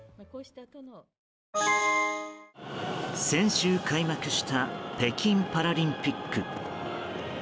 先週、開幕した北京パラリンピック。